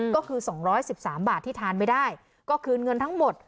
ก็คือ๒๑๓บาทที่ทานไม่ได้ก็คืนเงินทั้งหมด